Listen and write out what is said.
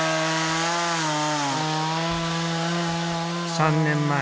３年前。